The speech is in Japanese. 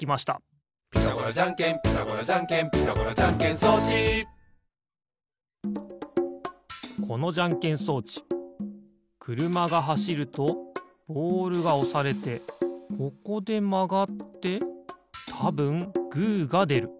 「ピタゴラじゃんけんピタゴラじゃんけん」「ピタゴラじゃんけん装置」このじゃんけん装置くるまがはしるとボールがおされてここでまがってたぶんグーがでる。